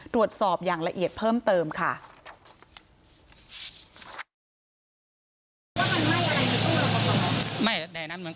ตรวจสอบอย่างละเอียดเพิ่มเติมค่ะ